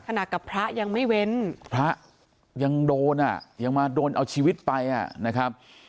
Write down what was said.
กับพระยังไม่เว้นพระยังโดนอ่ะยังมาโดนเอาชีวิตไปอ่ะนะครับ